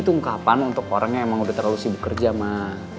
tungkapan untuk orangnya emang udah terlalu sibuk kerja mah